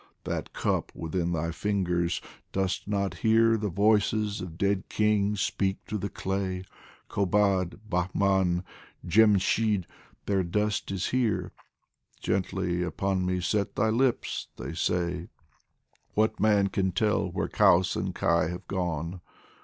That cup within thy fingers, dost not hear The voices of dead kings speak through the clay ? Kobad, Bahman, Djemshid, their dust is here, " Gently upon me set thy lips !" they say. DIVAN OF HAFIZ What man can tell where Kaus and Kai have gone